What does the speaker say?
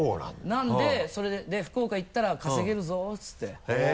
なのでそれで「福岡行ったら稼げるぞ」って言って。